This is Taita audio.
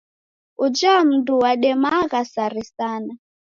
Uja mndu wademagha sare sana.